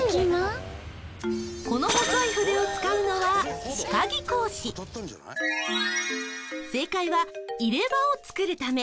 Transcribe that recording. この細い筆を使うのは正解は「入れ歯を作るため」。